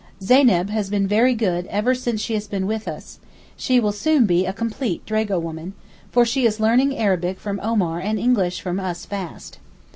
Zeyneb has been very good ever since she has been with us, she will soon be a complete 'dragowoman,' for she is learning Arabic from Omar and English from us fast.